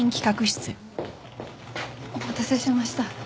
お待たせしました。